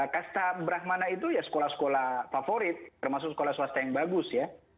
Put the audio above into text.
kasta brahmana itu ya sekolah sekolah favorit termasuk sekolah swasta yang bagus ya